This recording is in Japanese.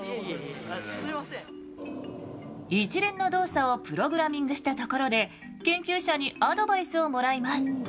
一連の動作をプログラミングしたところで研究者にアドバイスをもらいます。